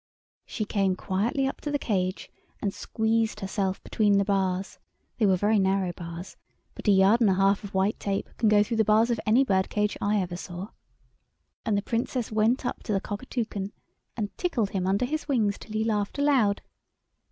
She came quietly up to the cage, and squeezed herself between the bars; they were very narrow bars, but a yard and a half of white tape can go through the bars of any birdcage I ever saw. And the Princess went up to the Cockatoucan and tickled him under his wings till he laughed aloud.